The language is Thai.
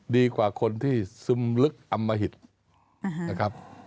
ดีกว่าคนที่ซึมลึกอำมหิตนะครับ